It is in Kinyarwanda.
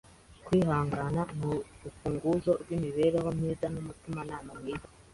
Kwihangana nurufunguzo rwimibereho myiza. Umutimanama mwiza.